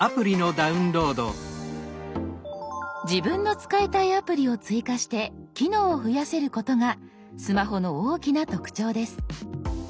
自分の使いたいアプリを追加して機能を増やせることがスマホの大きな特徴です。